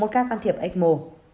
một ca can thiệp ecmo